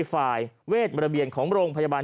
ฝ่ายเวทระเบียนของโรงพยาบาล